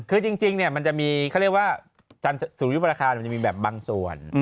คือจริงเนี่ยมันจะมีเขาเรียกว่าสุริยุปราคามันจะมีแบบบางส่วน